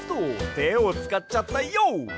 てをつかっちゃったＹＯ！